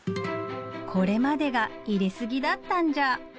これまでが入れ過ぎだったんじゃ？